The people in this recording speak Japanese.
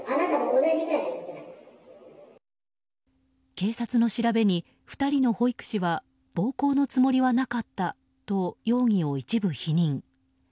警察の調べに２人の保育士は暴行のつもりはなかったと容疑を一部否認。